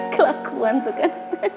kelakuan tuh kan